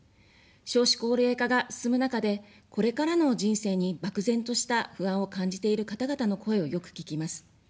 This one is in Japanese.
少子高齢化が進む中で、これからの人生に漠然とした不安を感じている方々の声をよく聞きます。